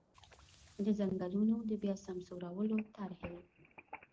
د ځنګلونو د بیا سمسورولو طرحې.